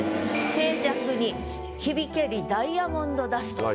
「静寂に響けりダイヤモンドダスト」って。